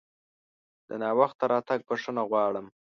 د ناوخته راتګ بښنه غواړم!